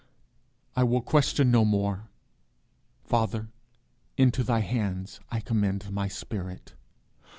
I will question no more: Father, into thy hands I commend my spirit.